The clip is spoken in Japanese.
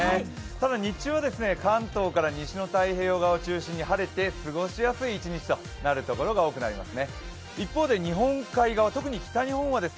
ただ日中は関東から西の太平洋側を中心に晴れて過ごしやすい一日となるところが多くなりそうです。